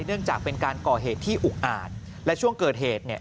เนื่องจากเป็นการก่อเหตุที่อุกอาจและช่วงเกิดเหตุเนี่ย